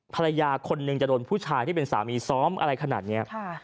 ภรรยาคนหนึ่งจะโดนผู้ชายที่เป็นสามีซ้อมอะไรขนาดนี้